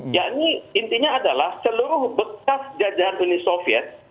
ya ini intinya adalah seluruh bekas jajahan uni soviet